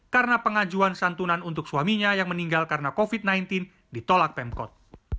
karena pengajuan santunan untuk suaminya yang meninggal karena covid sembilan belas ditolak pemkot